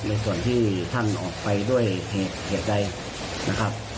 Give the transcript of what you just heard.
ในส่วนที่ท่านออกไปด้วยเหตุใดนะครับ